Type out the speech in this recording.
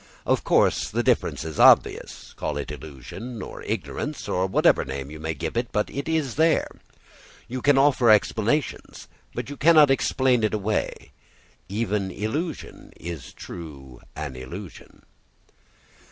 Of course the difference is obvious. Call it illusion or ignorance, or whatever name you may give it, it is there. You can offer explanations but you cannot explain it away. Even illusion is true an illusion.